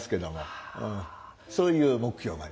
そういう目標があります。